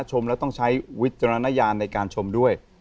ชมแล้วต้องใช้วิจารณญาณในการชมด้วย